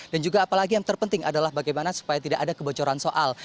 dan juga apalagi yang terpenting adalah bagaimana supaya tidak ada kebocoran soal